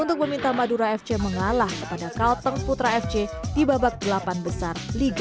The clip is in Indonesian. untuk meminta madura fc mengalah kepada kalteng putra fc di babak delapan besar liga satu